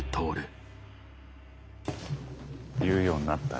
言うようになったな。